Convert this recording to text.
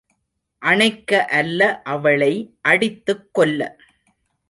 அணைக்க அல்ல அவளை அடித்துக் கொல்ல.